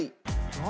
何？